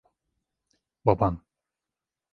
Baban.